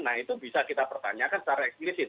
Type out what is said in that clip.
nah itu bisa kita pertanyakan secara eksplisit